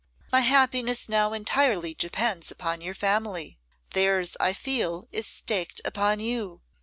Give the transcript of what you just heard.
My happiness now entirely depends upon your family; theirs I feel is staked upon you.